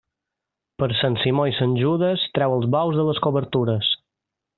Per Sant Simó i Sant Judes, treu els bous de les cobertures.